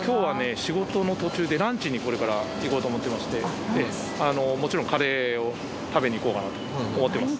仕事の途中でランチにこれから行こうと思ってましてあのもちろんカレーを食べに行こうかなと思っています